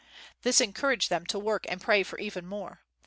This encouraged them to work and pray for even more.